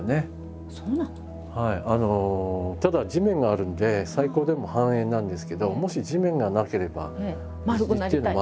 ただ地面があるので最高でも半円なんですけどもし地面がなければ虹っていうのは円い現象なんですね。